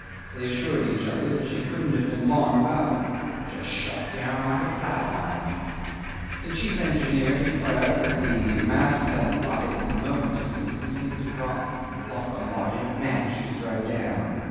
They assured each other that she couldn't have been long about it "Just shot down like a flat iron." The chief engineer declared that the mast head light at the moment of sinking seemed to drop "like a lighted match you throw down."